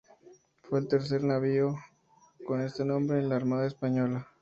Fue el tercer navío con este nombre en la Armada Española.